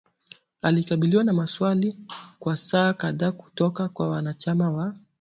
alikabiliwa na maswali kwa saa kadhaa kutoka kwa wanachama wa